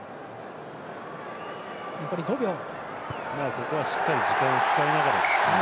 ここはしっかり時間を使いながら。